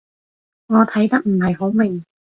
我睇得唔係好明